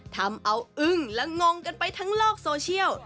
ทำเอาอึ้งและงงกันไปทั้งโลกโซเชียล